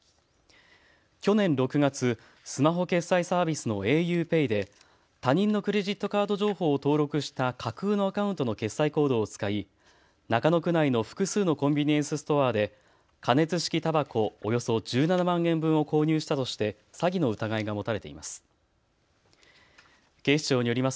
去年６月、スマホ決済サービスのａｕＰＡＹで他人のクレジットカード情報を登録した架空のアカウントの決済コードを使い中野区内の複数のコンビニエンスストアで加熱式たばこおよそ１７万円分を購入したとして詐欺の疑いが持たれています。